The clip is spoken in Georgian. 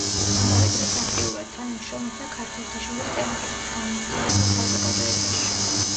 ამავე დროს აქტიურად თანამშრომლობდა „ქართველთა შორის წერა-კითხვის გამავრცელებელ საზოგადოებაში“.